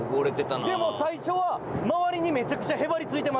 でも最初は周りにめちゃくちゃへばりついてましたよ。